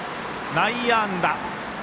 内野安打。